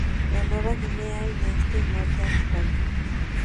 De Nueva Guinea y del este y norte de Australia.